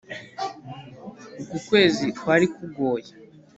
uku kwezi kwari kugoye